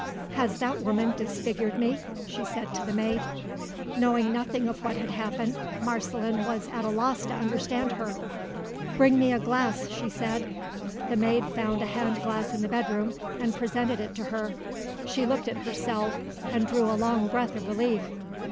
"Has that woman disfigured me?" she said to the maid. Knowing nothing of what had happened, Marceline was at a loss to understand her. "Bring me a glass," she said. The maid found a hand glass in the bedroom, and presented it to her. She looked at herself and drew a long breath of relief.